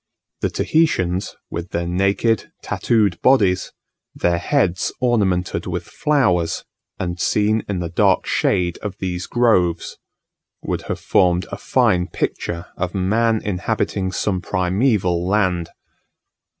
The Tahitians, with their naked, tattooed bodies, their heads ornamented with flowers, and seen in the dark shade of these groves, would have formed a fine picture of man inhabiting some primeval land.